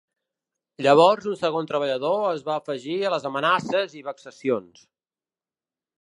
Llavors un segon treballador es va afegir a les amenaces i vexacions.